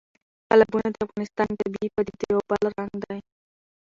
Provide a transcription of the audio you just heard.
تالابونه د افغانستان د طبیعي پدیدو یو بل رنګ دی.